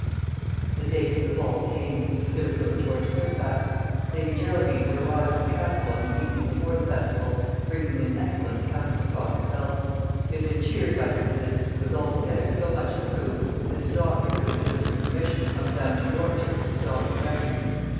The day for the ball came, but there was no George Fairfax. Lady Geraldine had arrived at the Castle on the evening before the festival, bringing an excellent account of her father's health. He had been cheered by her visit, and was altogether so much improved, that his doctors would have given him permission to come down to Yorkshire for his daughter's wedding.